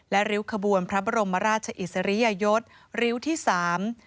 และริ้วขบวนพระบรมราชอิสริยยศริ้วที่สาม